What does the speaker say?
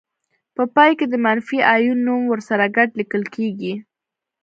په پای کې د منفي آیون نوم ورسره ګډ لیکل کیږي.